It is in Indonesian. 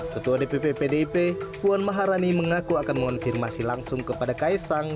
ketua dpp pdip puan maharani mengaku akan mengonfirmasi langsung kepada kaisang